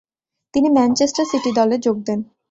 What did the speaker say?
তিনি Manchester City দলে যোগদেন।